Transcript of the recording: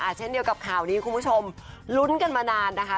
เช่นเดียวกับข่าวนี้คุณผู้ชมลุ้นกันมานานนะคะ